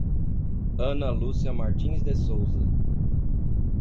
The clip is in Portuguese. Ana Lucia Martins de Souza